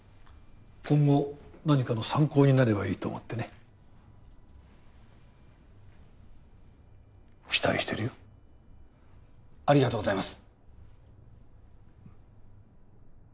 今後何かの参考になればいいと思ってね期待してるよありがとうございます